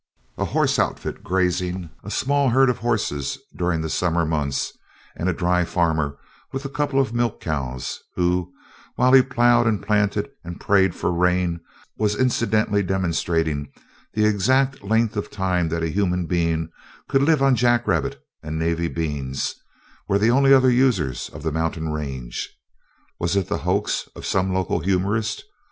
A horse outfit grazing a small herd of horses during the summer months, and a dry farmer with a couple of milch cows, who, while he plowed and planted and prayed for rain, was incidentally demonstrating the exact length of time that a human being could live on jack rabbit and navy beans, were the only other users of the mountain range. Was it the hoax of some local humorist?